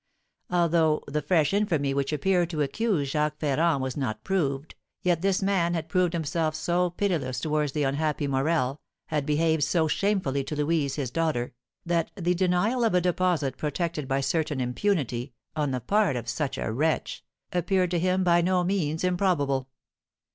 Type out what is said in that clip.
Although the fresh infamy which appeared to accuse Jacques Ferrand was not proved, yet this man had proved himself so pitiless towards the unhappy Morel, had behaved so shamefully to Louise, his daughter, that the denial of a deposit, protected by certain impunity, on the part of such a wretch, appeared to him by no means improbable.